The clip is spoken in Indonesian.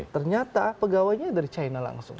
ternyata pegawainya dari china langsung